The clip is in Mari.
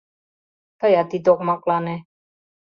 — Тыят ит окмаклане...